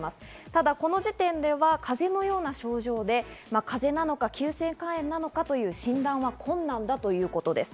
ただ、この時点では風邪のような症状で風邪なのか、急性肝炎なのかという診断は困難だということです。